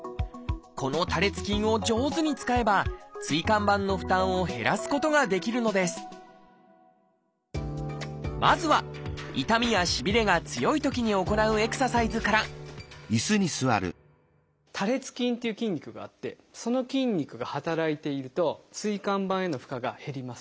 この多裂筋を上手に使えば椎間板の負担を減らすことができるのですまずは痛みやしびれが強いときに行うエクササイズから多裂筋っていう筋肉があってその筋肉が働いていると椎間板への負荷が減ります。